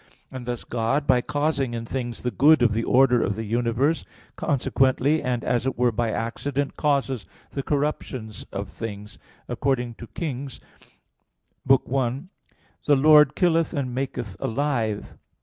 And thus God, by causing in things the good of the order of the universe, consequently and as it were by accident, causes the corruptions of things, according to 1 Kings 2:6: "The Lord killeth and maketh alive."